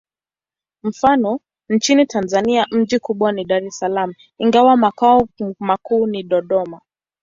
Mfano: nchini Tanzania mji mkubwa ni Dar es Salaam, ingawa makao makuu ni Dodoma.